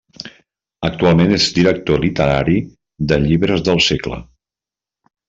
Actualment és director literari de Llibres del Segle.